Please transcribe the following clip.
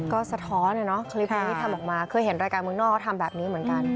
ก็สะท้อนนะเนาะคลิปนี้ที่ทำออกมาเคยเห็นรายการเมืองนอกเขาทำแบบนี้เหมือนกัน